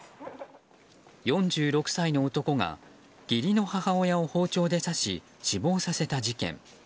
４６歳の男が義理の母親を包丁で刺し死亡させた事件。